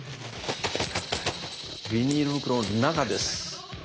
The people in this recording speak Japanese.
ビニール袋の中です！